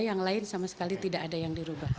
yang lain sama sekali tidak ada yang dirubah